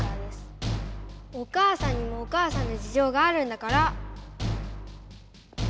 お母さんにもお母さんのじじょうがあるんだから！